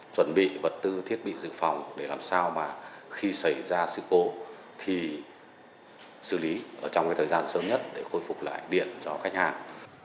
chuẩn bị vật tư thiết bị dự phòng để làm sao mà khi xảy ra sự cố thì xử lý ở trong cái thời gian sớm nhất để khôi phục lại điện cho khách hàng